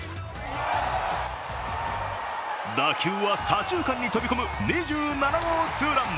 打球は左中間に飛び込む２７号ツーラン。